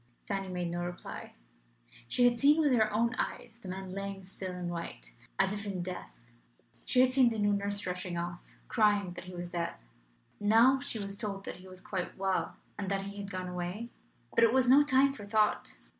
Fanny made no reply. She had seen with her own eyes the man lying still and white, as if in death; she had seen the new nurse rushing off, crying that he was dead. Now she was told that he was quite well, and that he had gone away! But it was no time for thought.